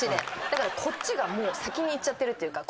だからこっちがもう先にいっちゃってるっていうか。